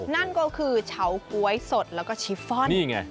นั่นก็คือเฉาก๊วยสดแล้วก็ชิฟฟอนนี่ไง